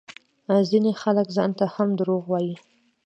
ځينې خلک ځانته هم دروغ وايي